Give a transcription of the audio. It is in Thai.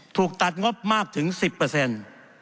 ถูกตัดงบมากถึงสิบเปอร์เซ็นต์